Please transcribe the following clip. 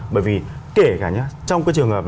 bởi vì kể cả nhá trong cái trường hợp